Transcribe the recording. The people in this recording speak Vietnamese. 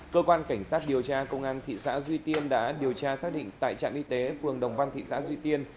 cơ quan cảnh sát điều tra công an thị xã duy tiên đã điều tra xác định tại trạm y tế phường đồng văn thị xã duy tiên